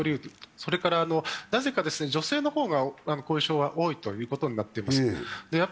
それかなぜか女性の方が後遺症は多いということになっております。